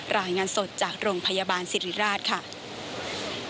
รายงานสดจากโรงพยาบาลสิริราชค่ะ